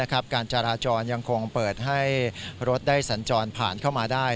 การจราจรยังคงเปิดให้รถได้สัญจรผ่านเข้ามาได้